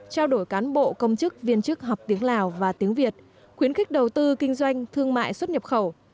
trao đổi cán bộ công chức viên chức học tiếng lào và tiếng việt khuyến khích đầu tư kinh doanh thương mại xuất nhập khẩu